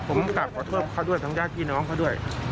ผมตราบขอโทษเขาด้วยทั้งยาทีอะน้องเขาด้วย